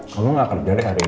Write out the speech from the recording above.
kamu gak kerja deh hari ini